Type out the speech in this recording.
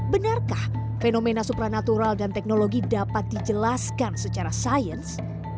benarkah fenomena supranatural dan teknologi dapat dijelaskan secara sains